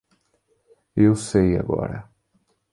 Eu sei agora.